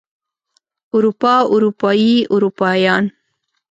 اروپا اروپايي اروپايان